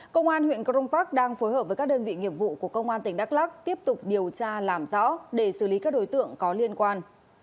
công an huyện crong park đang phối hợp với các đơn vị nghiệp vụ của công an tỉnh đắk lắc tiếp tục điều tra làm rõ để xử lý các đối tượng có liên quan